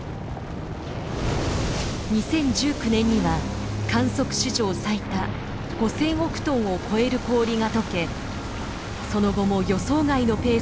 ２０１９年には観測史上最多５，０００億トンを超える氷がとけその後も予想外のペースで氷が失われています。